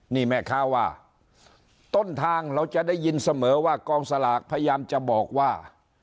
นี่แม่ค้าว่าต้นทางเราจะได้ยินเสมอว่ากองสลากพยายามจะบอกว่า